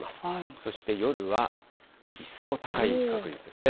そして夜は一層高い確率ですね。